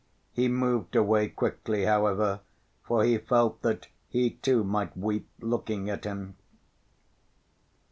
He moved away quickly, however, for he felt that he too might weep looking at him.